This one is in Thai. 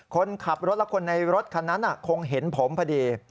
คนขับรถและคนในรถคันนั้นคงเห็นผมพอดี